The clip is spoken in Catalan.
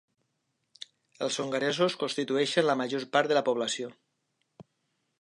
Els hongaresos constitueixen la major part de la població.